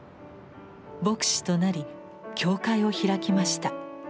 牧師となり教会を開きました。